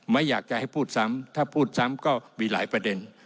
ไม่อยากจะให้พูดซ้ำถ้าพูดซ้ำก็มีหลายประเด็น